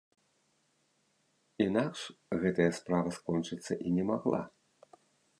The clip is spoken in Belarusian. Інакш гэтая справа скончыцца і не магла.